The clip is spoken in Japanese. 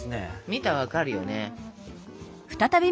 見たら分かるよね。